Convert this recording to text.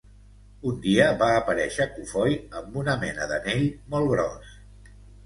Un dia va aparèixer cofoi amb una mena d'anell molt gros.